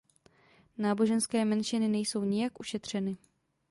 Náboženské menšiny nejsou nijak ušetřeny.